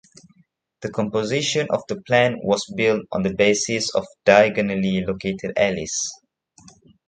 The composition of the plan was built on the basis of diagonally located alleys.